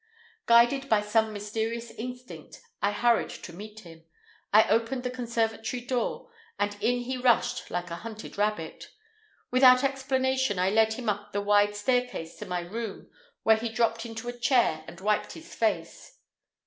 Guided by some mysterious instinct I hurried to meet him. I opened the conservatory door, and in he rushed like a hunted rabbit. Without explanation I led him up the wide staircase to my room, where he dropped into a chair and wiped his face.